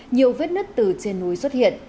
nhiều vết nứt từ trên núi xuất hiện